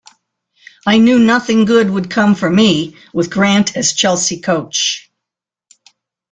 I knew nothing good would come for me with Grant as Chelsea coach.